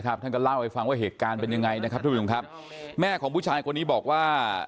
สมัยเก่งขึ้นข้างวนเข้ามาพยายามลำมันเข้ามา